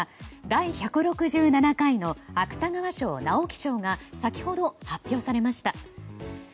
第１６７回の芥川賞・直木賞が先ほど発表されました。